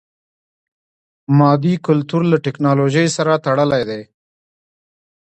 مادي کلتور له ټکنالوژي سره تړلی دی.